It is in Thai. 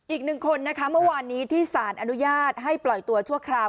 อีกหนึ่งคนนะคะเมื่อวานนี้ที่สารอนุญาตให้ปล่อยตัวชั่วคราว